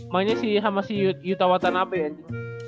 mainnya si sama si yutawatan ape aja